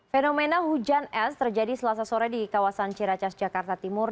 fenomena hujan es terjadi selasa sore di kawasan ciracas jakarta timur